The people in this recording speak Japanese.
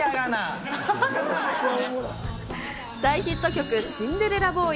大ヒット曲、シンデレラボーイ。